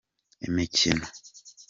imikino.